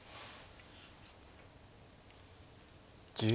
１０秒。